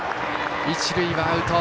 一塁はアウト。